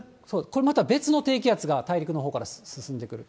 これまた別の低気圧が大陸のほうから進んでくる。